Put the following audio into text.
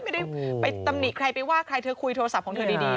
ไม่ได้ไปตำหนิใครไปว่าใครเธอคุยโทรศัพท์ของเธอดี